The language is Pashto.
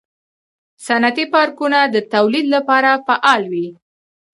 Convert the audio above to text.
صنعتي پارکونه د تولید لپاره فعال وي.